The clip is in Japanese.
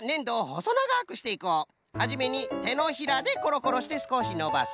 はじめにてのひらでコロコロしてすこしのばす。